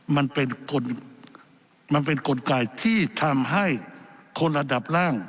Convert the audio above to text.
มันเป็นกลไกที่ทำให้คนระดับล่าง